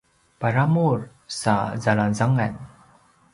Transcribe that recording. paramur sa zalangzangan